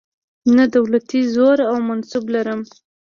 نه دولتي زور او منصب لرم.